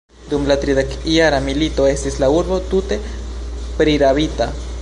Dum la tridekjara milito estis la urbo tute prirabita.